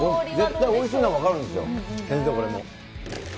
絶対おいしいの分かるんですよ、これも。